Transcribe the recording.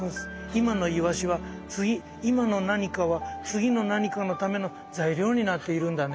今のイワシは次今の何かは次の何かのための材料になっているんだね。